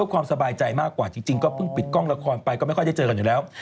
ความสบายใจมากกว่าจริงก็เพิ่งปิดกล้องละครไปก็ไม่ค่อยได้เจอกันอยู่แล้ว